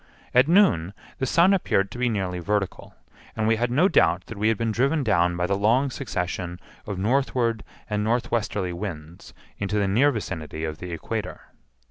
At noon the sun appeared to be nearly vertical, and we had no doubt that we had been driven down by the long succession of northward and northwesterly winds into the near vicinity of the equator.